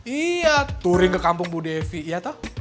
iya touring ke kampung bu devi ya toh